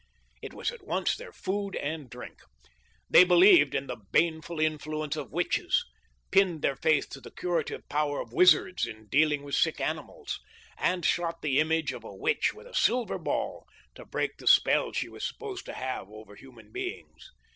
It was at once their food and drink. They believed in the baneful influence of witches, pinned their faith to the curative power of wizards in dealing with sick animals, and shot the image of a witch with a silver ball to break the spell she was supposed to have over human beings.